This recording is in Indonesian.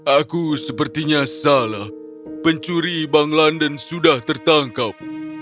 aku sepertinya salah pencuri bank london sudah tertangkap